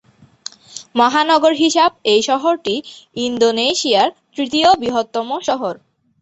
মহানগর হিসাব এই শহরটি ইন্দোনেশিয়ার তৃতীয় বৃহত্তম শহর।